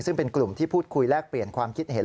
ซึ่งเป็นกลุ่มที่พูดคุยแลกเปลี่ยนความคิดเห็น